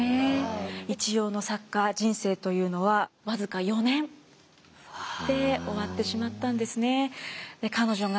一葉の作家人生というのは僅か４年で終わってしまったんですね。